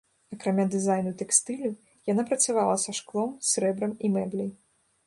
Акрамя дызайну тэкстылю, яна працавала са шклом, срэбрам і мэбляй.